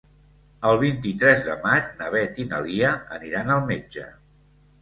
El vint-i-tres de maig na Beth i na Lia aniran al metge.